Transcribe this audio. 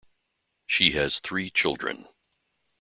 She has three children.